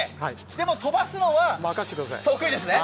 でも飛ばすのは得意ですね。